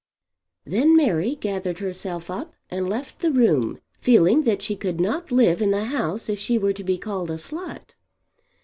Then Mary gathered herself up and left the room, feeling that she could not live in the house if she were to be called a slut.